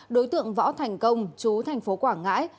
đối tượng võ thành công chú thành phố quảng ngãi